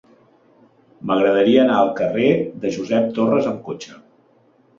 M'agradaria anar al carrer de Josep Torres amb cotxe.